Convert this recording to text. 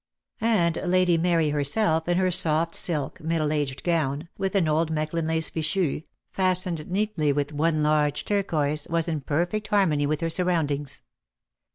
And Lady Mary herself in her soft silk, middle aged gown, with an old Mechlin lace fichu, fastened neatly with one large turquoise, was in perfect harmony with her surroundings.